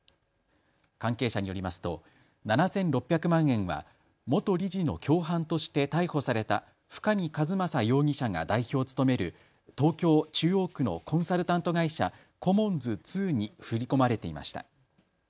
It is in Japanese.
関係者によりますと７６００万円は元理事の共犯として逮捕された深見和政容疑者が代表を務める東京中央区のコンサルタント会社、コモンズ２に振り込まれていました。